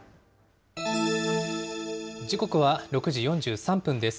時刻は６時４３分です。